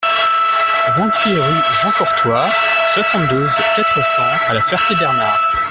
vingt-huit rue Jean Courtois, soixante-douze, quatre cents à La Ferté-Bernard